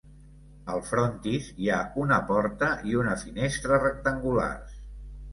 Al frontis hi ha una porta i una finestra rectangulars.